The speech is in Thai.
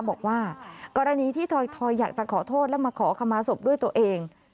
บอกว่ากรณีที่ทอยอยากจะขอโทษและมาขอคำมาศพด้วยตัวเอง